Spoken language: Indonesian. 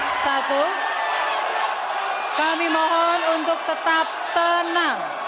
kami mohon untuk tetap tenang